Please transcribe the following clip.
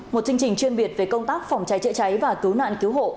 một chương trình chuyên biệt về công tác phòng cháy chữa cháy và cứu nạn cứu hộ